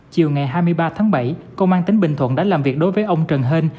chiều ngày hai mươi ba tháng bảy công an tỉnh bình thuận đã làm việc đối với ông trần hên